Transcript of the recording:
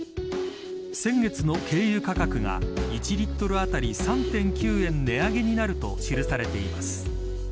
先月の軽油価格が１リットル当たり３．９円値上げになると記されています。